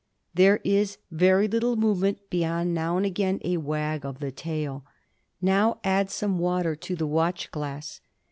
There is very little movement beyond now and again a wag of the tail. Now add some water to the watch glass.